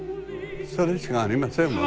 それしかありませんもの。